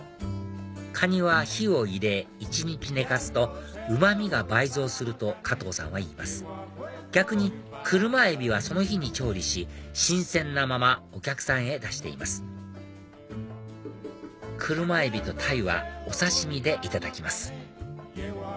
カニは火を入れ一日寝かすとうま味が倍増すると加藤さんは言います逆にクルマエビはその日に調理し新鮮なままお客さんへ出していますクルマエビとタイはお刺し身でいただきます